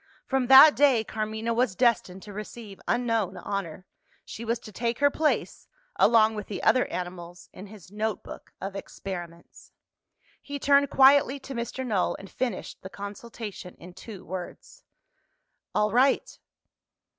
From that day, Carmina was destined to receive unknown honour: she was to take her place, along with the other animals, in his note book of experiments. He turned quietly to Mr. Null, and finished the consultation in two words. "All right!"